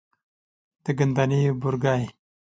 د ګندنې بورګی،